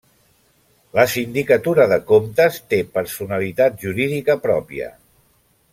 La Sindicatura de Comptes té personalitat jurídica pròpia.